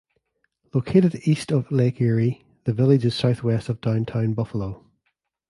Located east of Lake Erie, the village is southwest of downtown Buffalo.